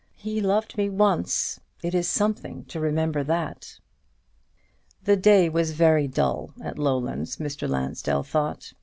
"He loved me once; it is something to remember that." The day was very dull at Lowlands, Mr. Lansdell thought.